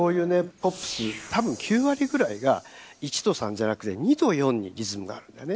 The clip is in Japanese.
ポップス多分９割ぐらいが１と３じゃなくて２と４にリズムがあるんだよね。